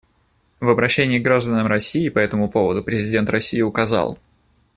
В обращении к гражданам России по этому поводу президент России указал: